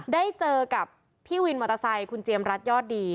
ได้เจอกับพี่วินมอเตอร์ไซค์คุณเจียมรัฐยอดดี